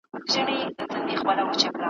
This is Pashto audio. دغه ځوز مي له پښې وکاږه نور ستا یم ,